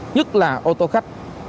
nhất là ô tô khách